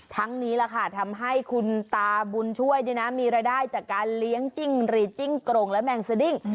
นี้แหละค่ะทำให้คุณตาบุญช่วยมีรายได้จากการเลี้ยงจิ้งรีดจิ้งกรงและแมงสดิ้ง